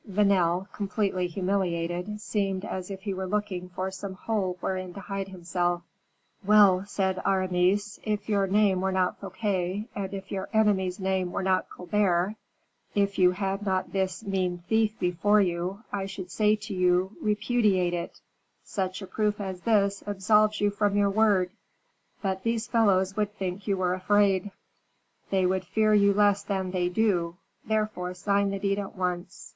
Vanel, completely humiliated, seemed as if he were looking for some hole wherein to hide himself. "Well!" said Aramis, "if your name were not Fouquet, and if your enemy's name were not Colbert if you had not this mean thief before you, I should say to you, 'Repudiate it;' such a proof as this absolves you from your word; but these fellows would think you were afraid; they would fear you less than they do; therefore sign the deed at once."